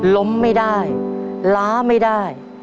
ล้มไม่ได้ล้าไม่ได้